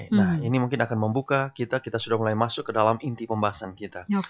nah ini mungkin akan membuka kita sudah mulai masuk ke dalam inti pembahasan kita